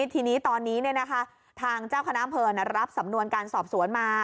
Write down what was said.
ทีนี้ตอนนี้ทางเจ้าคณะอำเภอรับสำนวนการสอบสวนมา